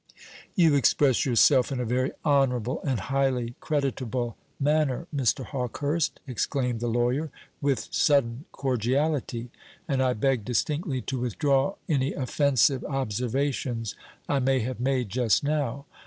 "You express yourself in a very honourable and highly creditable manner, Mr. Hawkehurst," exclaimed the lawyer, with sudden cordiality; "and I beg distinctly to withdraw any offensive observations I may have made just now.